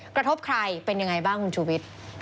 กระทบใครเป็นยังไงบ้างคุณชูวิทย์